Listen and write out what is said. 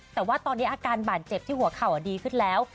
แต่ว่าตอนนี้อาการบาดเจ็บที่หัวเข่าดีขึ้นแล้ว